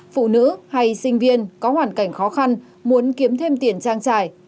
phụ nữ hay sinh viên có hoàn cảnh khó khăn muốn kiếm thêm tiền trang trải